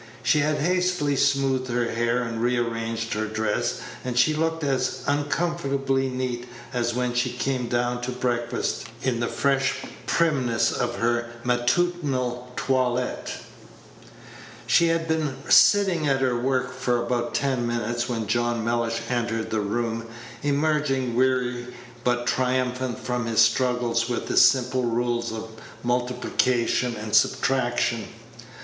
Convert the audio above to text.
She had hastily smoothed her hair and rearranged her dress, and she looked as uncomfortably neat as when she came down to breakfast in the fresh primness of her matutinal toilette. She had been sitting at her work for about ten minutes when John Mellish entered the room, emerging weary but triumphant from his struggle with the simple rules of multiplication and substraction.